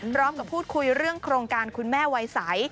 พร้อมกับพูดคุยเรื่องโครงการคุณแม่วัยใส